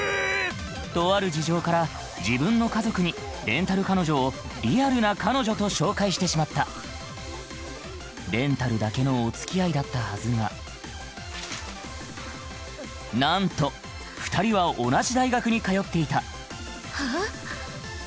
とある事情から自分の家族にレンタル彼女をリアルな彼女と紹介してしまったレンタルだけのおつきあいだったはずがなんと２人は同じ大学に通っていたはあ？